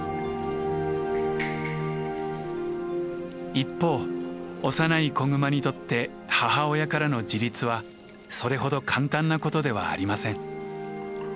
一方幼い子グマにとって母親からの自立はそれほど簡単なことではありません。